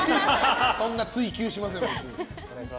そんな追及しません。